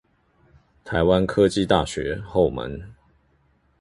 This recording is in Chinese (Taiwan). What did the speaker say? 臺灣科技大學後門